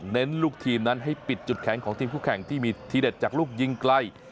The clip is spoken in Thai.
ลูกทีมนั้นให้ปิดจุดแข็งของทีมคู่แข่งที่มีทีเด็ดจากลูกยิงไกล